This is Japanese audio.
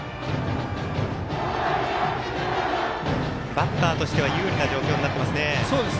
バッターとしては有利な状況になってますね。